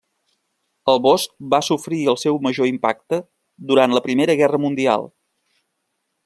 El bosc va sofrir el seu major impacte durant la Primera Guerra Mundial.